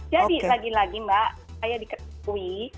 jadi lagi lagi mbak saya diketahui